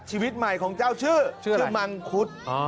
ชีวิตใหม่ของเจ้าชื่อชื่อมังคุด